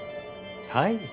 はい。